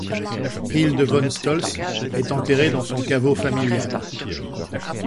Hilde von Stolz est enterrée dans son caveau familial.